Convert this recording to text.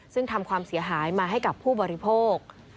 ซึ่งทำความเสียหายมาให้กับผู้บริโภค